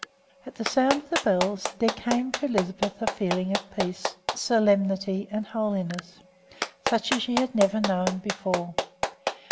At the sound of the bells there came to Lisbeth a feeling of peace, solemnity, and holiness, such as she had never known before.